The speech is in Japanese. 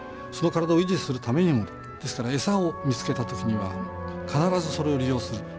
その体を維持するためにも餌を見つけた時には必ずそれを利用する。